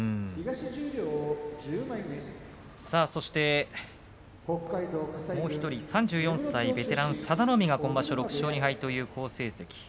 そしてもう１人３４歳ベテランの佐田の海が今場所６勝２敗という好成績。